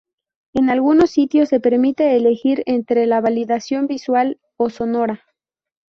En algunos sitios se permite elegir entre la validación visual o sonora.